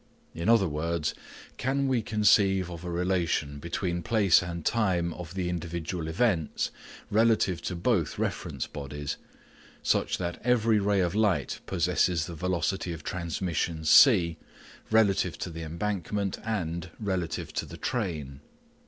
In other words : Can we conceive of a relation between place and time of the individual events relative to both reference bodies, such that every ray of light possesses the velocity of transmission c relative to the embankment and relative to the train